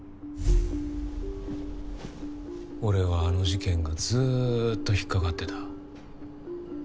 俺はあの事件がずっと引っかかってた。